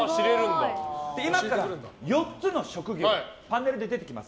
今から、４つの職業がパネルで出てきます。